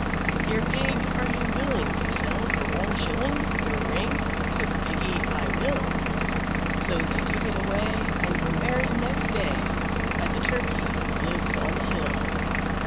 III. "Dear Pig, are you willing to sell for one shilling Your ring?" Said the Piggy, "I will." So they took it away, and were married next day By the Turkey who lives on the hill.